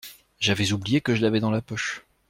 J’avais oublié que je l’avais dans la poche.